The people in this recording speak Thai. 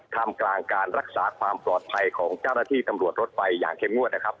ทำกลางการรักษาความปลอดภัยของเจ้าหน้าที่ตำรวจรถไฟอย่างเข้มงวดนะครับ